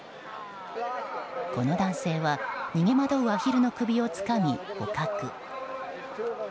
この男性は、逃げ惑うアヒルの首をつかみ捕獲。